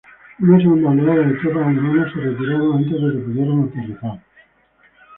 Una segunda oleada de tropas alemanas se retiraron antes de que pudieran aterrizar.